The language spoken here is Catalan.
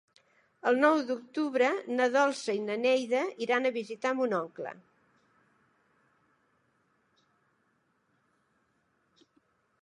El nou d'octubre na Dolça i na Neida iran a visitar mon oncle.